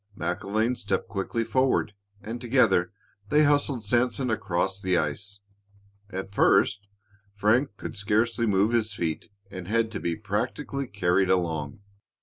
MacIlvaine stepped quickly forward, and together they hustled Sanson across the ice. At first, Frank could scarcely move his feet and had to be practically carried along.